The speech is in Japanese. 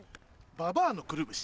ばばあのくるぶし。